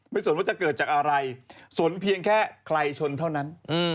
สนว่าจะเกิดจากอะไรสนเพียงแค่ใครชนเท่านั้น